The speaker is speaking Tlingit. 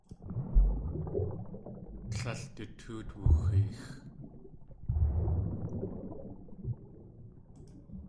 Tlél du tóot wuxeex.